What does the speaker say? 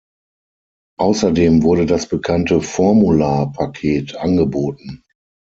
Außerdem wurde das bekannte "Formula"-Paket angeboten.